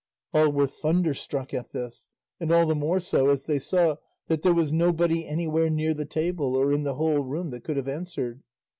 All were thunderstruck at this, and all the more so as they saw that there was nobody anywhere near the table or in the whole room that could have answered.